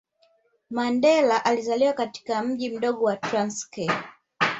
Mandela alizaliwa katika mji mdogo wa Transkei